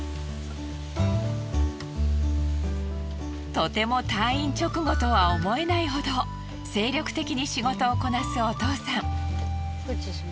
とても退院直後とは思えないほど精力的に仕事をこなすお父さん。